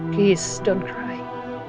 tolong jangan menangis